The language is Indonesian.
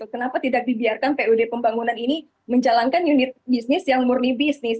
kenapa tidak dibiarkan pud pembangunan ini menjalankan unit bisnis yang murni bisnis